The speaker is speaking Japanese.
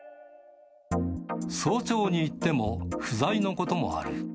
早朝に行っても不在のこともある。